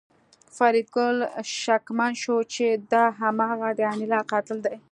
فریدګل شکمن شو چې دا هماغه د انیلا قاتل دی